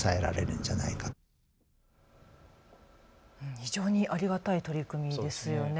非常にありがたい取り組みですよね。